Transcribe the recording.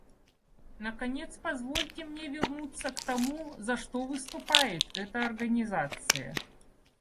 Наконец, позвольте мне вернуться к тому, за что выступает эта Организация.